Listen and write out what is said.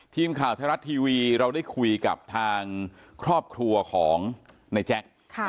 ทีมข่าวไทยรัฐทีวีเราได้คุยกับทางครอบครัวของในแจ๊ค